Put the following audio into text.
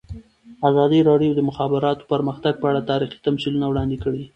ازادي راډیو د د مخابراتو پرمختګ په اړه تاریخي تمثیلونه وړاندې کړي.